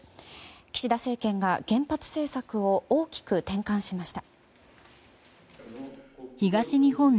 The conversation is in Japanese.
岸田政権が原発政策を大きく転換しました。